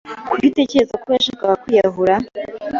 Kuki utekereza ko yashakaga kwiyahura?